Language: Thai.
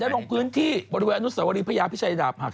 ได้ตรงพื้นที่บริเวศนูษย์ภรรีพระยาพิชัยดาบหัก